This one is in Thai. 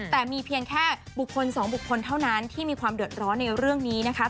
แต่มีเพียงแค่บุคคลสองบุคคลเท่านั้นที่มีความเดือดร้อนในเรื่องนี้นะคะ